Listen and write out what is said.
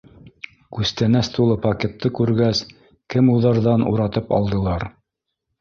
Күстәнәс тулы пакетты күргәс, кемуҙарҙан уратып алдылар.